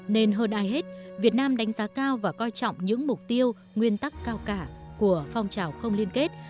nên hơn ai hết việt nam đánh giá cao và coi trọng những mục tiêu nguyên tắc cao cả của phong trào không liên kết